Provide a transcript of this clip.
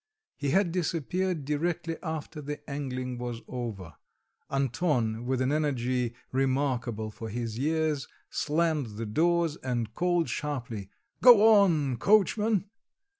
He had disappeared directly after the angling was over. Anton, with an energy remarkable for his years, slammed the doors, and called sharply, "Go on, coachman!"